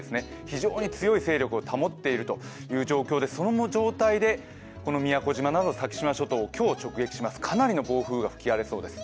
非常に強い勢力を保っているという状態でこの宮古島など先島諸島を今日、直撃します、かなりの暴風が吹き荒れそうです。